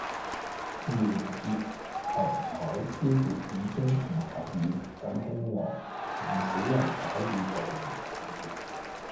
鹽業同採珠業已經唔及以往咁興旺，唔少人改以捕漁為業